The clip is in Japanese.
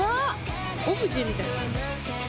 オブジェみたい。